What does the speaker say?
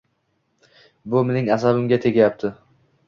Bu mening asabimga tegayapti.